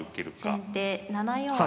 先手７四歩。